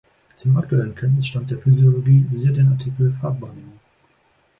Zum aktuellen Kenntnisstand der Physiologie siehe den Artikel Farbwahrnehmung.